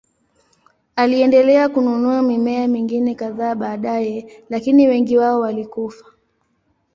Aliendelea kununua mimea mingine kadhaa baadaye, lakini wengi wao walikufa.